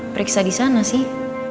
periksa disana sih